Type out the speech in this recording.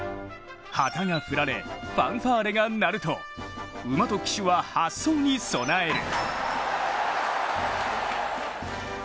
旗が振られファンファーレが鳴ると馬と騎手は発走に備える。